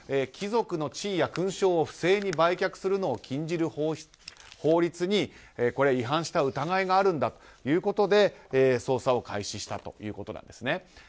貴族の地位や勲章を不正に売却するのを禁じる法律に違反した疑いがあるんだということで捜査を開始したということです。